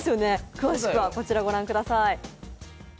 詳しくはこちら御覧ください。